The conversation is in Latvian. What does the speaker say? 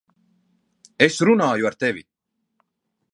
Es runāju ar tevi!